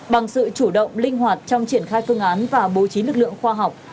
bằng sự chủ động linh hoạt trong triển khai phương án và bố trí lực lượng khoa học